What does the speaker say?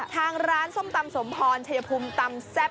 ทางร้านส้มตำสมพรชัยภูมิตำแซ่บ